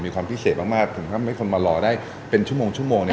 มีความพิเศษมากถึงทำให้คนมารอได้เป็นชั่วโมงชั่วโมงเนี่ย